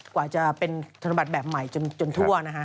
กว่าจะเป็นธนบัตรแบบใหม่จนทั่วนะฮะ